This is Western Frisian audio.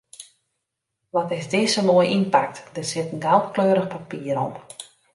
Wat is dizze moai ynpakt, der sit in goudkleurich papier om.